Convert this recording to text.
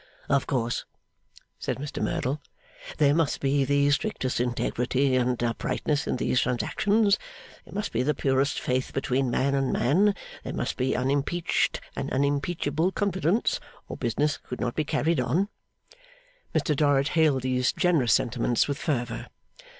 'Of course,' said Mr Merdle, 'there must be the strictest integrity and uprightness in these transactions; there must be the purest faith between man and man; there must be unimpeached and unimpeachable confidence; or business could not be carried on.' Mr Dorrit hailed these generous sentiments with fervour.